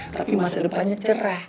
tapi masa depannya cerah